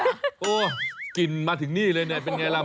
โอ้โฮกลิ่นมาถึงนี่เลยน่ะเป็นอย่างไรล่ะ